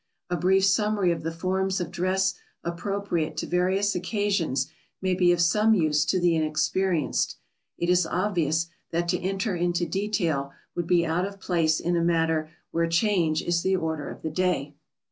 A brief summary of the forms of dress appropriate to various occasions may be of some use to the inexperienced. It is obvious that to enter into detail would be out of place in a matter where change is the order of the day.